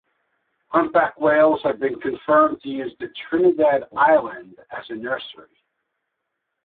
Humpback whales have been confirmed to use the Trindade island as a nursery.